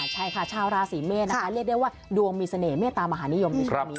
ใช่ชาวราศีเมษเรียกได้ว่าดวงมีเสน่ห์เมตตามอาหารนิยม